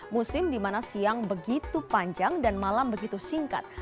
musim dimana siang begitu panjang dan malam begitu singkat